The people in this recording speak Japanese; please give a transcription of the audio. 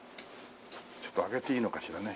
ちょっと開けていいのかしらね？